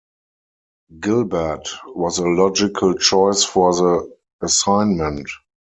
Gilbert was a logical choice for the assignment.